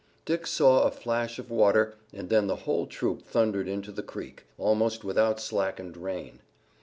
Dick saw a flash of water and then the whole troop thundered into the creek, almost without slackened rein.